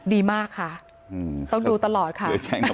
ดีมากค่ะต้องดูตลอดค่ะ